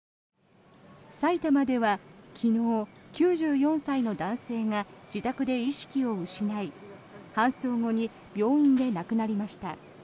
埼玉では昨日、９４歳の男性が自宅で意識を失い搬送後に病院で亡くなりました。